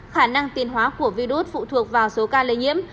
khả năng tiền hóa của virus phụ thuộc vào số ca lây nhiễm